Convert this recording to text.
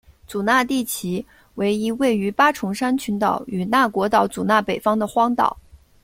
祖纳地崎为一位于八重山群岛与那国岛祖纳北方的荒岛。